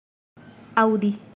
aŭdi